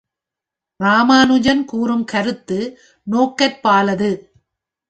ராமானுஜன் கூறும் கருத்து நோக்கற்பாலது.